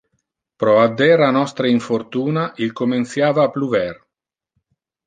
Pro adder a nostre infortuna, il comenciava a pluver.